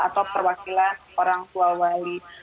atau perwakilan orang tua wali